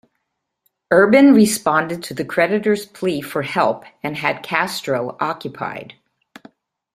Urban responded to the creditors' plea for help and had Castro occupied.